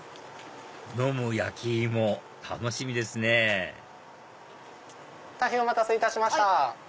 飲む焼き芋楽しみですね大変お待たせいたしました。